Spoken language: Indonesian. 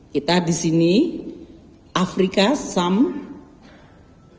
kita di sini afrika some